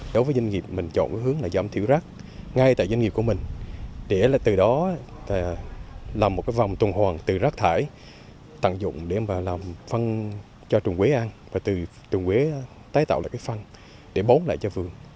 đối với doanh nghiệp mình chọn hướng là giảm thiểu rác ngay tại doanh nghiệp của mình để từ đó làm một vòng tuần hoàn từ rác thải tặng dụng để làm phân cho chuồn quế ăn và từ chuồn quế tái tạo lại phân để bón lại cho vườn